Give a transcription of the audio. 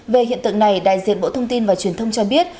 về hiện tượng này đại diện bộ thông tin và truyền thông cho biết